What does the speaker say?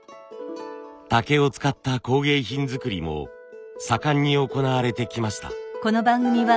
竹を使った工芸品作りも盛んに行われてきました。